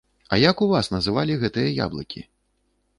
А як у вас называлі гэтыя яблыкі?